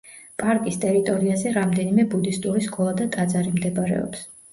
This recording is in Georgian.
პარკის ტერიტორიაზე რამდენიმე ბუდისტური სკოლა და ტაძარი მდებარეობს.